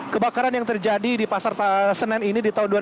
kebakaran yang terjadi di pasar senin ini di tahun dua ribu tujuh belas